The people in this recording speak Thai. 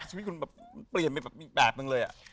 ชีวิตคุณเปลี่ยนไปแบบอีกแบบหนึ่งเลย